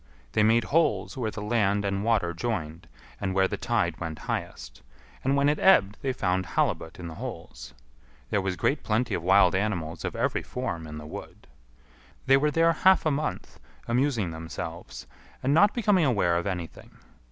They made holes where the land and water joined and where the tide went highest; and when it ebbed they found halibut in the holes. There was great plenty of wild animals of every form in the wood. They were there half a month, amusing themselves, and not becoming aware of anything.